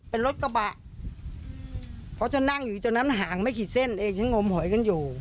เป็นรถกระบะเพราะฉันนั่งอยู่ตรงนั้นห่างไม่กี่เส้นเองฉันงมหอยกันอยู่